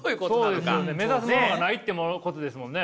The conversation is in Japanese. そうですよね目指すものがないってことですもんね。